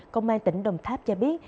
công an tỉnh đồng tháp cho biết